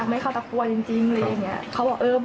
เปิดประตูปุ๊ดแล้วมันเป็นช่วงที่แบบ